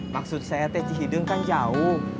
maksud saya ten cihideng kan jauh